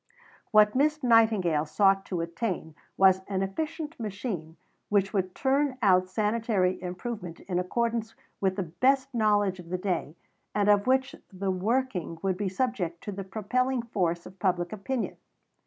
What Miss Nightingale sought to attain was an efficient machine which would turn out sanitary improvement in accordance with the best knowledge of the day and of which the working would be subject to the propelling force of public opinion.